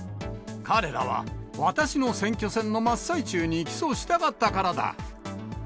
彼らは私の選挙戦の真っ最中に起訴したかったからだ。